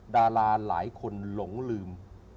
ดาราหลายคนหลงลืม